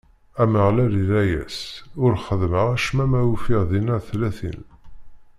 Ameɣlal irra-as: Ur xeddmeɣ acemma ma ufiɣ dinna tlatin.